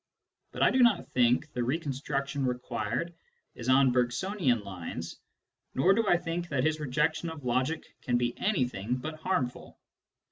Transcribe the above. But I do not think the reconstruction required is on Bergsonian lines, nor do I think that his rejection of logic can be anything but harmful.